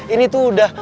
ini tuh udah